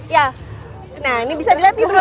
ya nah ini bisa dilihat nih bro